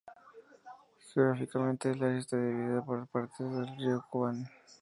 Geográficamente, el área está dividida en dos partes por el río Kuban.